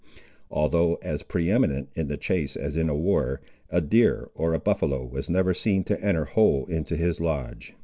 Although as pre eminent in the chase as in war, a deer or a buffaloe was never seen to enter whole into his lodge.